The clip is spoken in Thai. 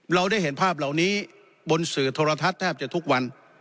เราได้เห็นภาพเหล่านี้บนสื่อโทรทัศน์แทบจะทุกวัน